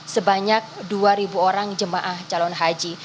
sebanyak dua orang jemaah calon haji